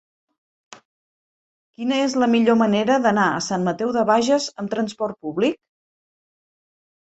Quina és la millor manera d'anar a Sant Mateu de Bages amb trasport públic?